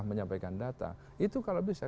menyampaikan data itu kalau bisa